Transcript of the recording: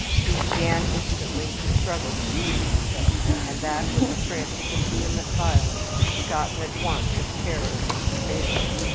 He began instantly to struggle to free himself, and that with a frantic and vehement violence begotten at once of terror and despair.